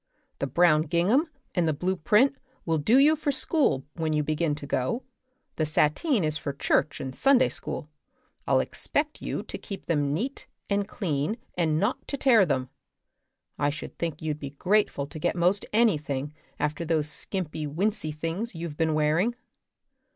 The brown gingham and the blue print will do you for school when you begin to go. The sateen is for church and Sunday school. I'll expect you to keep them neat and clean and not to tear them. I should think you'd be grateful to get most anything after those skimpy wincey things you've been wearing."